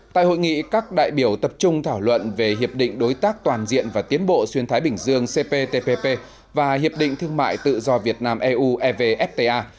tại hội nghị các đại biểu tập trung thảo luận về hiệp định đối tác toàn diện và tiến bộ xuyên thái bình dương cptpp và hiệp định thương mại tự do việt nam eu evfta